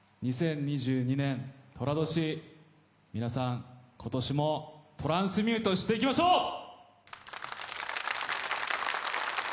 ２０２２年、寅年皆さん、今年もトランスミュートしていきましょう！